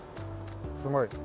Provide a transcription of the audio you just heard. すごい。